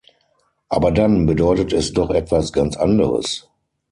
Aber dann bedeutet es doch etwas ganz anderes!